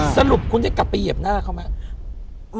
สรุปคุณได้กลับไปเหยียบหน้าเขาไหม